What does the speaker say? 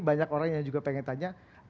banyak orang yang juga pengen tanya